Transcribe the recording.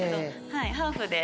はいハーフで。